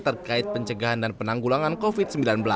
terkait pencegahan dan penanggulangan covid sembilan belas